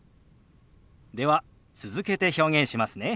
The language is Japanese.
では続けて表現しますね。